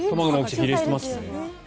比例してますね。